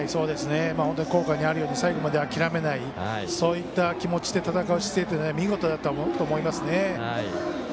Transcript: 本当に校歌にあるように最後まで諦めないそういった気持ちで戦う姿勢は見事だったと思いますね。